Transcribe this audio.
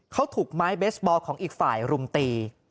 เขาถูกไม้เบสบอลของอีกฝ่ายรุมตี